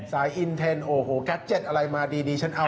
สายอินเทรนด์โอ้โหแก็จเจ็ตอะไรมาดีฉันเอา